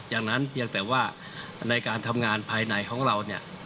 อย่างนั้นเพียงแต่ว่าในการทำงานภายในของเราเนี่ย